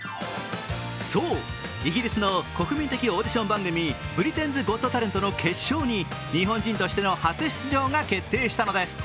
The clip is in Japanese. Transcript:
そう、イギリスの国民的オーディション番組、「ブリテンズ・ゴット・タレント」の決勝に日本人としての初出場が決定したのです。